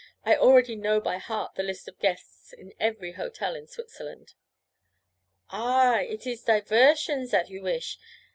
I already know by heart the list of guests in every hotel in Switzerland.' 'Ah, it is diversion zat you wish?